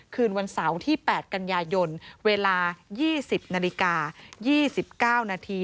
คืนวันเสาร์ที่๘กันยายนเวลา๒๐นาฬิกา๒๙นาที